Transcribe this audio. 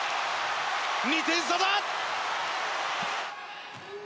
２点差だ！